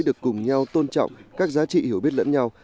được cùng nhau tôn trọng các giá trị hiểu biết lẫn nhau